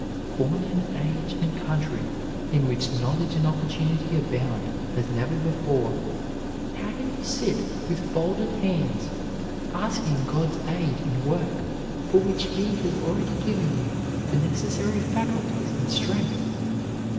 Born in an age and country in which knowledge and opportunity abound as never before, how can you sit with folded hands, asking God's aid in work for which He has already given you the necessary faculties and strength?